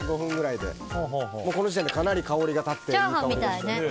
この時点でかなり香りが立っていい香りがしています。